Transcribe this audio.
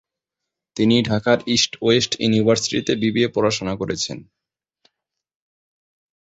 তিনি ঢাকার east west ইউনিভার্সিটিতে বিবিএ পড়াশোনা করেছেন।